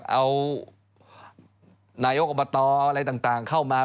เอานายกอบตอะไรต่างเข้ามา